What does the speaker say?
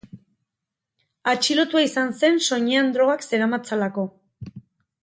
Atxilotua izan zen soinean drogak zeramatzalako.